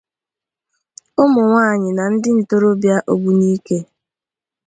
ụmụnwaanyị na ndị ntorobịa Ogbunike.